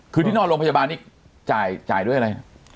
คือที่นอนโรงพยาบาลนี่จ่ายด้วยอะไร